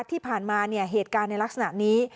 ที่ผ่านมาเนี่ยเหตุการณ์ในลักษณะนี้